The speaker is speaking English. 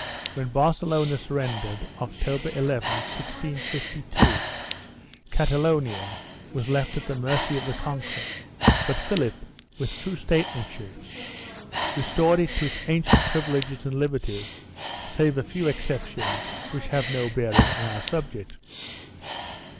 When Barcelona surrendered, October 11, 1652, Cata lonia was left at the mercy of the conqueror, but Philip, with true statesmanship, restored it to its ancient privileges and liberties, save a few exceptions which have no bearing on our subject.